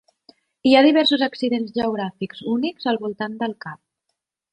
Hi ha diversos accidents geogràfics únics al voltant del cap.